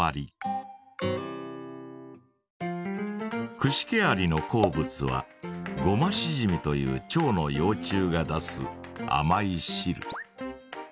クシケアリの好物はゴマシジミというチョウの幼虫が出すあまいしる。